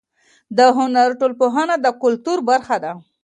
د هنر ټولنپوهنه د کلتور برخه ده.